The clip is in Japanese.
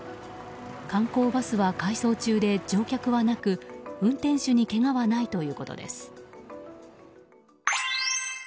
観光バスは回送中で乗客はなく運転手にけがはないということです。